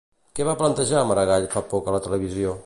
Què va plantejar Maragall fa poc a la televisió?